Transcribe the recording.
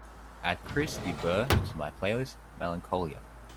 add Chris de Burgh in my playlist melancholia